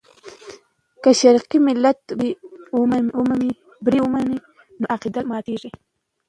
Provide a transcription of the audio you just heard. که شرقي ملت بری ومومي، نو عقیده ماتېږي.